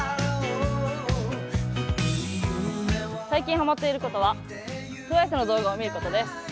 最近ハマっていることは、ＴＷＩＣＥの動画を見ることです。